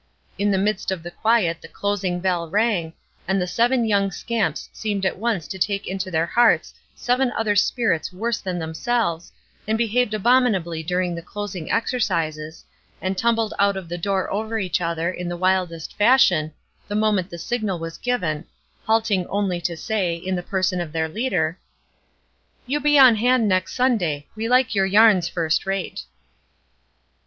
In the midst of the quiet the closing bell rang, and the seven young scamps seemed at once to take into their hearts seven other spirits worse than themselves, and behaved abominably during the closing exercises, and tumbled out of the door over each other, in the wildest fashion, the moment the signal was given, halting only to say, in the person of their leader: "You be on hand next Sunday; we like your yarns first rate."